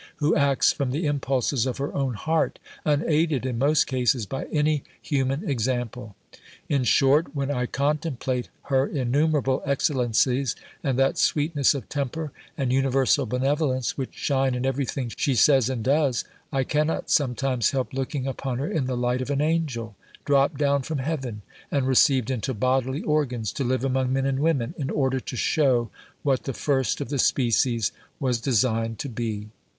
who acts from the impulses of her own heart, unaided in most cases, by any human example. In short, when I contemplate her innumerable excellencies, and that sweetness of temper, and universal benevolence, which shine in every thing she says and does, I cannot sometimes help looking upon her in the light of an angel, dropped down from heaven, and received into bodily organs, to live among men and women, in order to shew what the first of the species was designed to be.